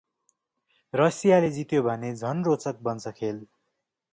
रसियाले जित्यो भने झन रोचक बन्छ खेल ।